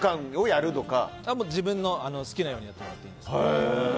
自分の好きなようにやってもらっていいです。